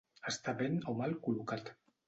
Estar ben o mal col·locat.